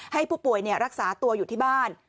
ให้ผู้ป่วยรักษาตัวอยู่ที่บ้าน